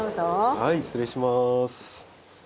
はい失礼します。